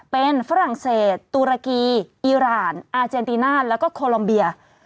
เป็นฝรั่งเศสตุรกีอีรานอาเจนติน่าแล้วก็โคลอมเบีย